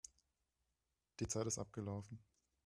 Die Zeit ist abgelaufen.